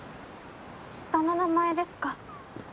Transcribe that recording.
下の名前ですか。